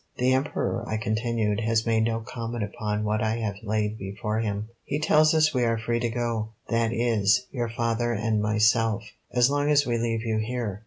"The Emperor," I continued, "has made no comment upon what I have laid before him. He tells us we are free to go, that is, your father and myself, as long as we leave you here.